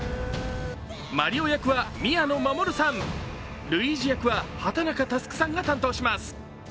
マリオ役は宮野真守さん、ルイージ役は畠中祐さんが担当します。